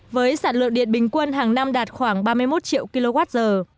với sản lượng điện bình quân hàng năm đạt khoảng ba mươi một triệu kwh